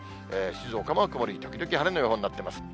静岡も曇り時々晴れの予報になってます。